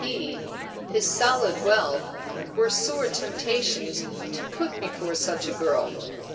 P.," his solid wealth, were sore temptations to put before such a girl.